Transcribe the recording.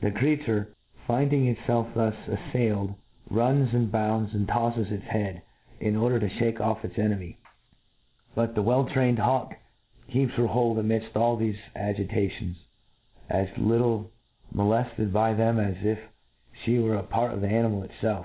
The creature, 'finding itfelf thus afiadled^ runs, smd bounds, and tofles its head. In order to fhake offits entmyj but the well . trained U ;NTR O D UCTIO N. trained hawk kceps'her hoW amidft all thcfe agi tations, as little molefted by them as if Ihe were a part of the animal itfclf.